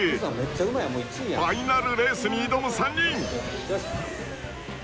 ［ファイナルレースに挑む３人］